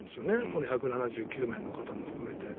この１７９名の方を含めて。